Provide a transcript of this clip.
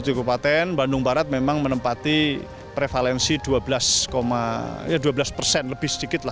bupaten dari dua puluh tujuh bupaten bandung barat memang menempati prevalensi dua belas persen lebih sedikit